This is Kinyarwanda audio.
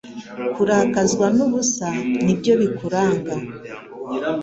Kurakazwa n'ubusa nibyo bikuranga